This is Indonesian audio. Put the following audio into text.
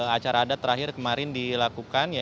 acara adat terakhir kemarin dilakukan